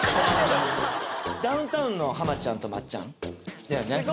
「ダウンタウン」の浜ちゃんと松ちゃんだよね？